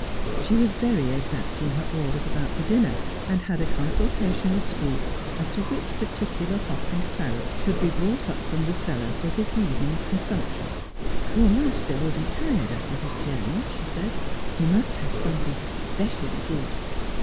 She was very exact in her orders about the dinner, and had a con sultation with Scroope as to which particular hock and claret should be brought up from the cellar for this evening's con sumption. ' Your master will be tired after his journey,' she said. ' He must have something especially good.'